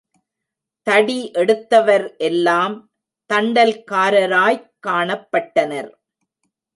தடி எடுத்தவர் எல்லாம் தண்டல்காரராய்க் காணப்பட்டனர்.